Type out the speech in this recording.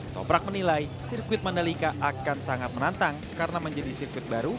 toprak menilai sirkuit mandalika akan sangat menantang karena menjadi sirkuit baru